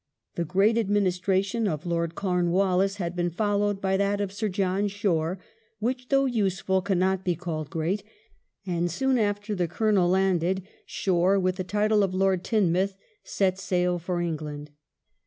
The great administration of Lord Cornwallis had been followed by that of Sir John Shore, which, though useful, cannot be called great, and soon after the Colonel landed, Shore, with the title of Lord Teign mouth, set sail for England.